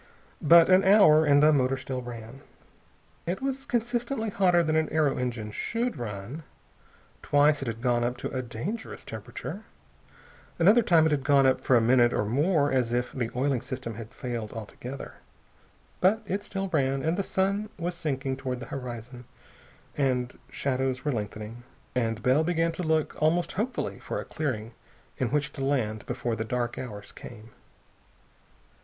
But an hour, and the motor still ran. It was consistently hotter than an aero engine should run. Twice it had gone up to a dangerous temperature. One other time it had gone up for a minute or more as if the oiling system had failed altogether. But it still ran, and the sun was sinking toward the horizon and shadows were lengthening, and Bell began to look almost hopefully for a clearing in which to land before the dark hours came.